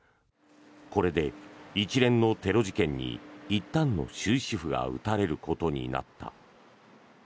これで一連のテロ事件にいったんの終止符が打たれることになった。